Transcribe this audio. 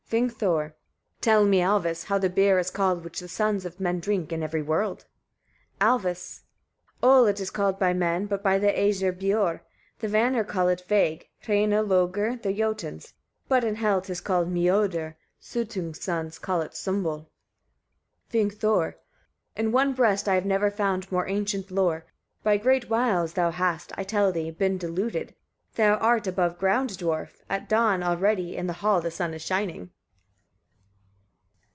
Vingthor. 34. Tell me, Alvis! etc., how the beer is called, which the sons of men drink in every world. Alvis. 35. Ol it is called by men, but by the Æsir biorr, the Vanir call it veig, hreina logr the Jotuns, but in Hel 'tis called miodr: Suttung's sons call it sumbl. Vingthor. 36. In one breast I have never found more ancient lore. By great wiles thou hast, I tell thee, been deluded. Thou art above ground, dwarf! at dawn; already in the hall the sun is shining!